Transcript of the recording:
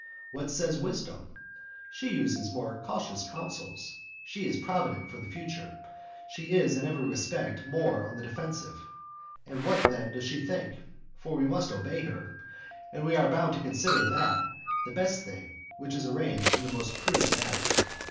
What says wisdom? She uses more cautious counsels, she is provident for the future, she is in every respect more on the defensive. What then does she think? for we must obey her, and we are bound to consider that the best thing which is arranged in the most prudent manner.